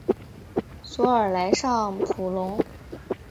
索尔莱尚普隆。